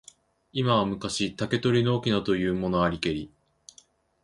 今は昔、竹取の翁というものありけり。